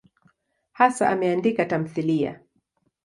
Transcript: Hasa ameandika tamthiliya.